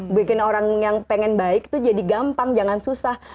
bikin orang yang pengen baik itu jadi gampang jangan susah